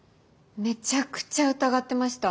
めちゃくちゃ疑ってました。